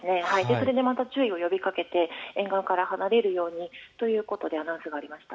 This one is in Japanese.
それでまた注意を呼びかけて沿岸から離れるようにということでアナウンスがありました。